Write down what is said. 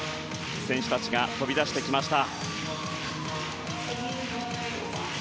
選手たちが飛び出してきました。